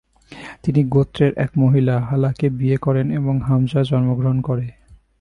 তিনি গোত্রের এক মহিলা, হালাকে বিয়ে করেন এবং হামজা জন্মগ্রহণ করে।